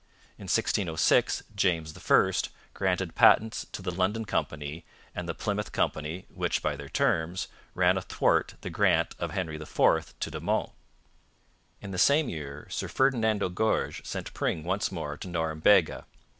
In 1606 James I granted patents to the London Company and the Plymouth Company which, by their terms, ran athwart the grant of Henry IV to De Monts. In the same year Sir Ferdinando Gorges sent Pring once more to Norumbega.